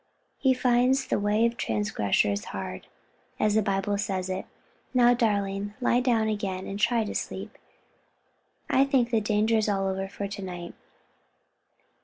he finds the way of transgressors hard, as the Bible says it is. Now, darling, lie down again and try to sleep, I think the danger is all over for to night."